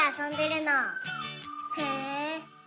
へえ。